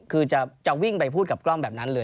คือจะวิ่งไปพูดกับกล้องแบบนั้นเลย